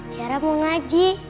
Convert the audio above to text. tiara mau ngaji